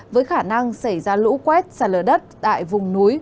với khả năng xảy ra lũ quét xả lở đất tại vùng núi